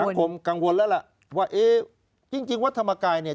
คงกังวลแล้วล่ะว่าเอ๊ะจริงจริงวัดธรรมกายเนี่ย